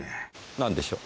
何でしょう？